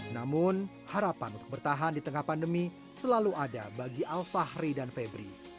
namun harapan untuk bertahan di tengah pandemi selalu ada bagi alfahri dan febri